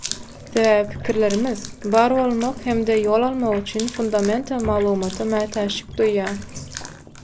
Sebäbi pikirlerimiz, bar bolmak hem-de ýol almak üçin fundamental maglumata mätäçlik duýýar.